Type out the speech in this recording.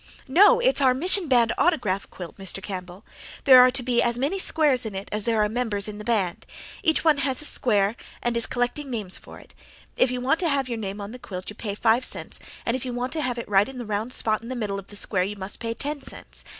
"No, it's our Mission Band autograph quilt, Mr. Campbell. There are to be as many squares in it as there are members in the Band. Each one has a square and is collecting names for it. If you want to have your name on the quilt you pay five cents, and if you want to have it right in the round spot in the middle of the square you must pay ten cents.